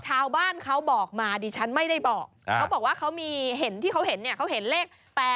ชาวบ้านเขาบอกมาดิฉันไม่ได้บอกเขาบอกว่าเขามีเห็นที่เขาเห็นเนี่ยเขาเห็นเลข๘